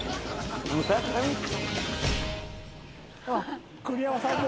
あっ栗山さんも。